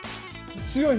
強い。